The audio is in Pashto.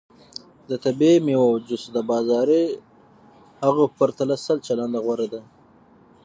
د طبیعي میوو جوس د بازاري هغو په پرتله سل چنده غوره دی.